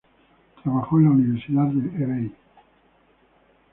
Trabajó en la Universidad de Hebei.